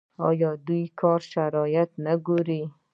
آیا دوی د کار شرایط نه ګوري؟